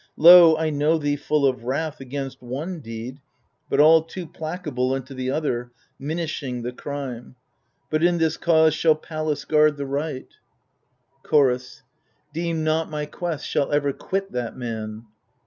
Lo, I know thee full of wrath Against one deed, but all too placable Unto the other, minishing the crime. But in this cause shall Pallas guard the right. THE FURIES 147 Chorus Deem not my quest shall ever quit that man.